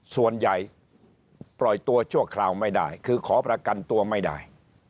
ส่วนใหญ่ปล่อยตัวชั่วคราวไม่ได้คือขอประกันตัวไม่ได้